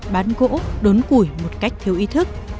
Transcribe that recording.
bán gỗ đốn củi một cách thiếu ý thức